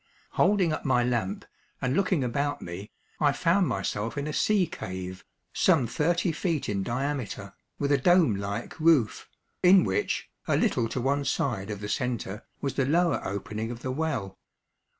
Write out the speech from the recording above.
Holding up my lamp, and looking about me, I found myself in a sea cave, some thirty feet in diameter, with a dome like roof, in which, a little to one side of the center, was the lower opening of the well.